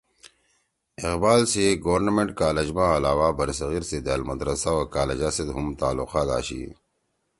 اقبال سی گورنمنٹ کالج ما علاوہ برصغیر سی دأل مدرسہ او کالَجا سیت ہُم تعلقات آشی